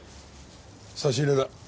差し入れだ。